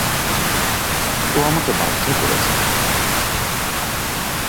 ও আমাকে বাধ্য করেছে।